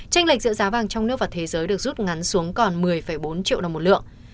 tranh lệch giữa giá vàng trong nước và thế giới được rút ngắn xuống còn một mươi bốn triệu đồng một lượng